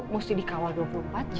mesti dikawal dua puluh empat jam